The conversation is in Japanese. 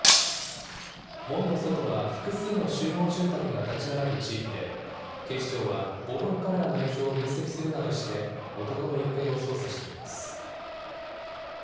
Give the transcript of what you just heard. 門の外は複数の集合住宅が建ち並ぶ地域で、警視庁は防犯カメラの映像を分析するなどして、男の行方を捜査しています。